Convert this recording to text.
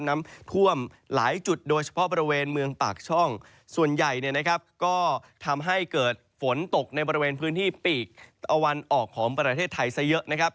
น้ำท่วมหลายจุดโดยเฉพาะบริเวณเมืองปากช่องส่วนใหญ่เนี่ยนะครับก็ทำให้เกิดฝนตกในบริเวณพื้นที่ปีกตะวันออกของประเทศไทยซะเยอะนะครับ